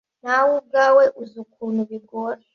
Nawe ubwawe uzi ukuntu bigora